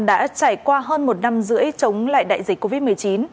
đã trải qua hơn một năm rưỡi chống lại đại dịch covid một mươi chín